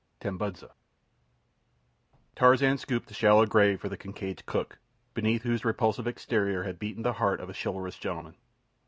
Tambudza Tarzan scooped a shallow grave for the Kincaid's cook, beneath whose repulsive exterior had beaten the heart of a chivalrous gentleman.